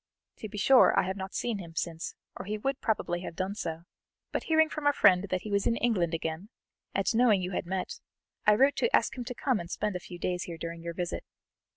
To be sure, I have not seen him since, or he would probably have done so, but hearing from a friend that he was in England again, and knowing you had met, I wrote to ask him to come and spend a few days here during your visit.